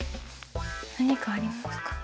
何かありますか？